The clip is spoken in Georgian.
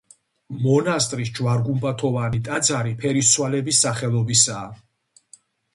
მონასტრის ჯვარგუმბათოვანი ტაძარი ფერისცვალების სახელობისაა.